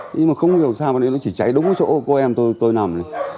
nhưng mà không hiểu sao nó chỉ cháy đúng chỗ cô em tôi nằm